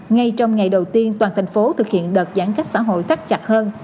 ngay trong ngày đầu tiên toàn thành phố thực hiện đợt giãn cách xã hội tắt chặt hơn